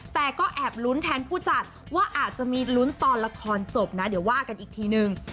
แต่ก็แอบลุ้นแทนผู้จัดว่าอาจจะมีลุ้นตอนละครจบนะเดี๋ยวว่ากันอีกทีนึง